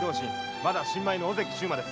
まだ新米の小関周馬です。